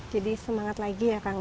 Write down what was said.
jadi semangat lagi ya kang